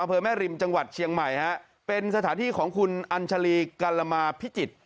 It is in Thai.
อำเภอแม่ริมจังหวัดเชียงใหม่ฮะเป็นสถานที่ของคุณอัญชาลีกัลมาพิจิตร